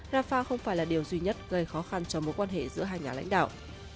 rafah không phải là điều duy nhất gây khó khăn cho mối quan hệ giữa hai nhà lãnh đạo